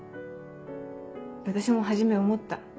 私も初め思った。